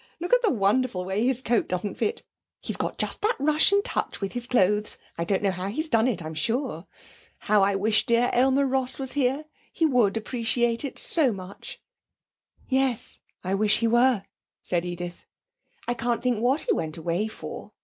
Look at the wonderful way his coat doesn't fit; he's got just that Russian touch with his clothes; I don't know how he's done it, I'm sure. How I wish dear Aylmer Ross was here; he would appreciate it so much.' 'Yes, I wish he were,' said Edith. 'I can't think what he went away for.